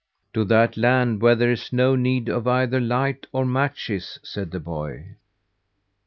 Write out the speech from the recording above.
"To that land where there is no need of either light or matches," said the boy.